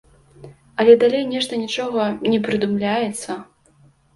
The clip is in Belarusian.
Але далей нешта нічога не прыдумляецца.